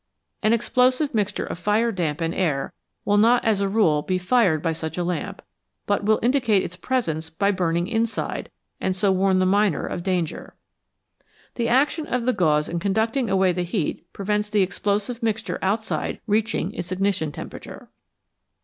An explosive mixture of fire damp and air will not as a rule be fired by such a lamp, but will indicate its presence by burning inside, and so warn the miner of danger. The action of the gauze in conducting away the heat prevents the explosive mixture outside reaching its ignition temperature.